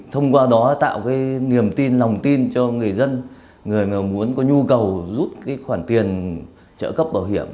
thông qua đó tạo cái niềm tin lòng tin cho người dân người mà muốn có nhu cầu rút cái khoản tiền trợ cấp bảo hiểm